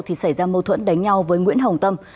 thì xảy ra mâu thuẫn đánh nhau với nguyễn hồng tâm